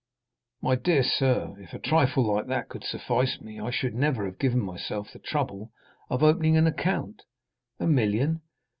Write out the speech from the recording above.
"My dear sir, if a trifle like that could suffice me, I should never have given myself the trouble of opening an account. A million?